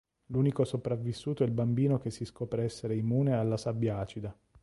L'unico sopravvissuto è il bambino che si scopre essere immune alla sabbia acida.